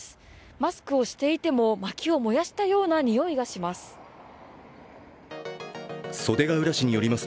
マスクをしていてもまきを燃やしたような臭いがします。